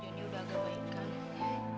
jonny udah agak maingkan